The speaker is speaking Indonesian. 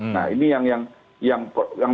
nah ini yang